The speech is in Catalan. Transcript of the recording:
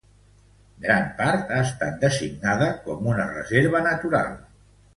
Gran part ha estat designada com una reserva natural.